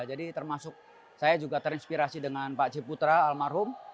jadi termasuk saya juga terinspirasi dengan pak ciputra almarhum